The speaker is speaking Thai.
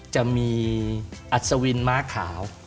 จะมีอัศวินม้าขาว